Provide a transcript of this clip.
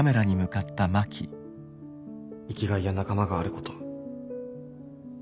生きがいや仲間があること。